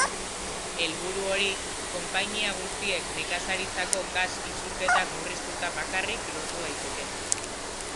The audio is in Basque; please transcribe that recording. Helburu hori konpainia guztiek nekazaritzako gas isurketak murriztuta bakarrik lortu daiteke.